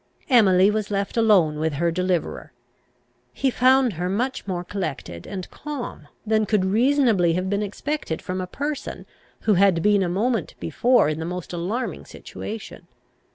Emily was left alone with her deliverer. He found her much more collected and calm, than could reasonably have been expected from a person who had been, a moment before, in the most alarming situation.